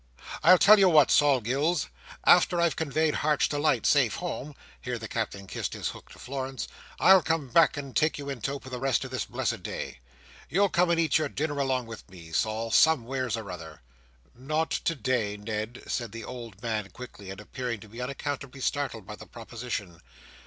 I tell you what, Sol Gills; arter I've convoyed Heart's delight safe home," here the Captain kissed his hook to Florence, "I'll come back and take you in tow for the rest of this blessed day. You'll come and eat your dinner along with me, Sol, somewheres or another." "Not today, Ned!" said the old man quickly, and appearing to be unaccountably startled by the proposition.